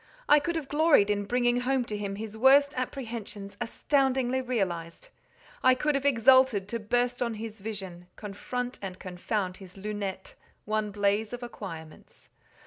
I could have gloried in bringing home to him his worst apprehensions astoundingly realized. I could have exulted to burst on his vision, confront and confound his "lunettes," one blaze of acquirements.